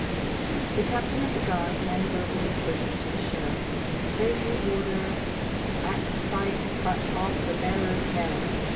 The Captain of the Guard handed over his prisoner to the Sheriff, with the fatal order, 'AT SIGHT CUT OFF THE BEARER'S HEAD.